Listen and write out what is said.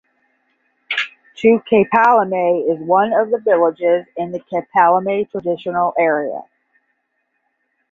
To Kpalime is one of the villages in the Kpalime Traditional Area.